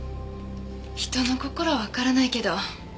人の心はわからないけど。